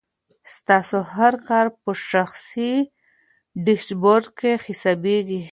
ستاسو هر کار په شخصي ډیشبورډ کې حسابېږي.